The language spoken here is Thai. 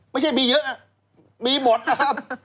ไม่ใช่มีเยอะมีหมดนะครับ